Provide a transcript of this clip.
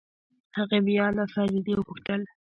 هغې بيا له فريدې وپوښتل.